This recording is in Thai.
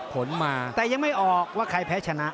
ผลมาแต่ยังไม่ออกว่าใครแพ้ชนะ